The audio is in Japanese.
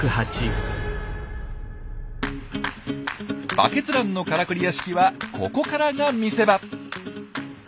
バケツランのカラクリ屋敷はここからが見せ場！